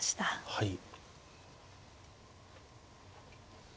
はい。